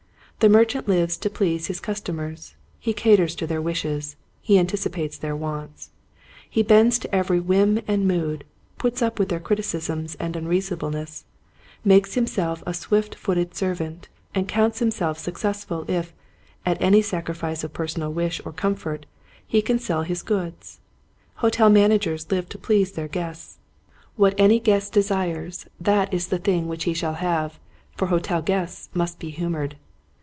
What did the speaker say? The merchant lives to please his customers. He caters to their wishes, he anticipates their wants. He bends to every whim and mood, puts up with their criticisms and unreasonablenesses, makes himself a swift footed servant, and counts himself successful if, at any sacrifice of personal wish or comfort, he can sell his goods. Hotel managers live to please their guests. What any guest desires Cowardice 53 that is the thing which he shall have, for hotel guests must be humored.